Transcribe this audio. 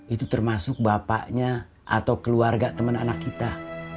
itu termasuk bapaknya atau keluarga teman anak kita